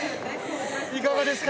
いかがですか？